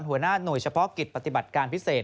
หัวหน้าหน่วยเฉพาะกิจปฏิบัติการพิเศษ